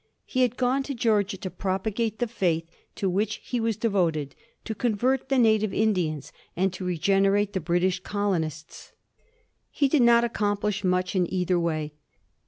He had gone to Georgia to propagate the faith to which he was devoted; to convert the native Indians and to regenerate the British colonists. He did not accomplish much in either way.